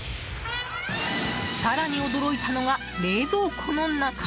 更に、驚いたのが冷蔵庫の中。